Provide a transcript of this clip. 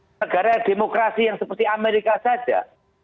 negara demokrasi yang seperti amerika saja